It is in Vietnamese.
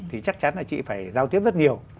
thì chắc chắn là chị phải giao tiếp rất nhiều